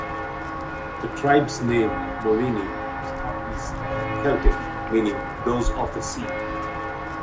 The tribe's name "Morini" is thought to be Celtic meaning "those of the sea".